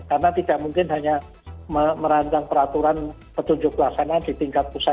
karena tidak mungkin hanya merancang peraturan petunjuk pelaksanaan di tingkat pusat